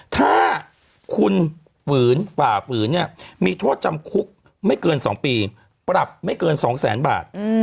ถ้าคุณฝ่าฝืนเนี่ยมีโทษจำคุกไม่เกิน๒ปีปรับไม่เกิน๒แสนบาท